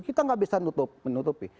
kita nggak bisa menutupi